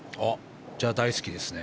じゃあ大好きですね。